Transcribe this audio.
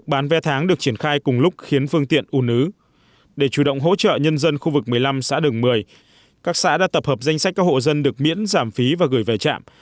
trạm thu phí đã tập hợp danh sách các hộ dân được miễn giảm phí và gửi về trạm